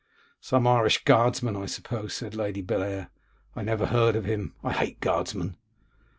'Some Irish guardsman, I suppose,' said Lady Bellair. 'I never heard of him; I hate guardsmen.